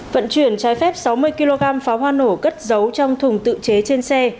vận chuyển trái phép sáu mươi kg pháo hoa nổ cất giấu trong thùng tự chế trên xe